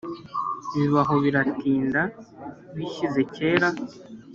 biba aho biratinda. bishyize kera,